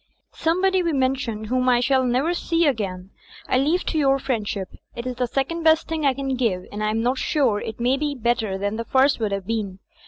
"Somebody we mentioned, whom I shall never see ag'ain, I leave to your friendship. It is the second best thing I can give, and I am not sure it may not be better thsui the first would have been.